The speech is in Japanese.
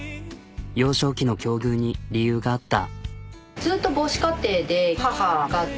幼少期の境遇に理由があった。